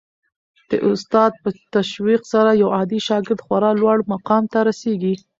د استاد په تشویق سره یو عادي شاګرد خورا لوړ مقام ته رسېږي.